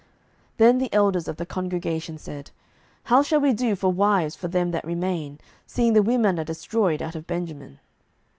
07:021:016 Then the elders of the congregation said, How shall we do for wives for them that remain, seeing the women are destroyed out of Benjamin?